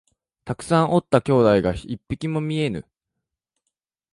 たくさんおった兄弟が一匹も見えぬ